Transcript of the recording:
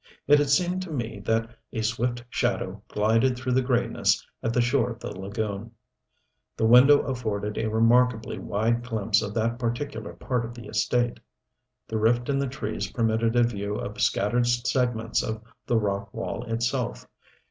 It had seemed to me that a swift shadow glided through the grayness at the shore of the lagoon. The window afforded a remarkably wide glimpse of that particular part of the estate. The rift in the trees permitted a view of scattered segments of the rock wall itself.